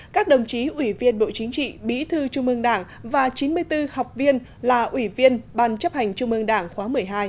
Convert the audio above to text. các đồng chí ủy viên bộ chính trị bí thư trung ương đảng và chín mươi bốn học viên là ủy viên ban chấp hành trung ương đảng khóa một mươi hai